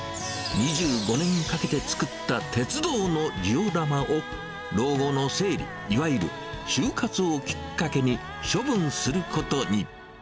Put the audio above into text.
２５年かけて作った鉄道のジオラマを、老後の整理、いわゆる終活をきっかけに処分することに。